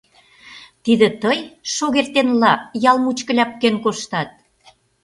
Тиде тый шогертенла ял мучко ляпкен коштат?